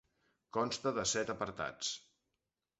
Consta de set apartats.